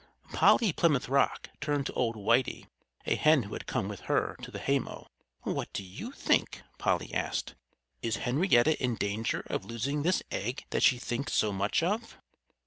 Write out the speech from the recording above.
Polly Plymouth Rock turned to old Whitey, a hen who had come with her to the haymow. "What do you think?" Polly asked. "Is Henrietta in danger of losing this egg that she thinks so much of?"